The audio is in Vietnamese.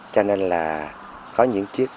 cho nên là có những chiếc